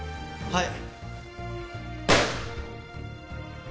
はい。